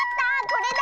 これだ！